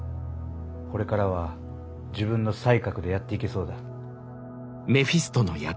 これからは自分の才覚でやっていけそうだ。